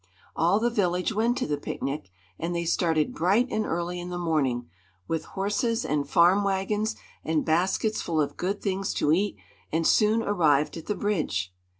All the village went to the picnic, and they started bright and early in the morning, with horses and farm wagons, and baskets full of good things to eat, and soon arrived at the bridge.